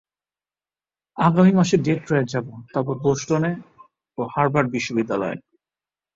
আগামী মাসে ডেট্রয়েট যাব, তারপর বোষ্টনে ও হার্ভার্ড বিশ্ববিদ্যালয়ে।